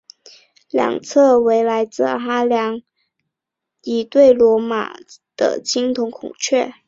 两侧为来自哈德良陵墓圣天使城堡的一对罗马的青铜孔雀。